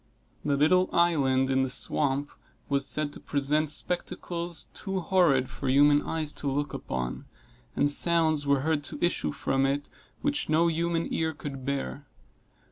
The little island in the swamp was said to present spectacles too horrid for human eyes to look upon, and sounds were heard to issue from it which no human ear could bear.